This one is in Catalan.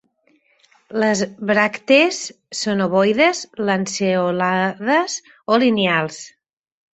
Les bràctees són ovoides, lanceolades o lineals.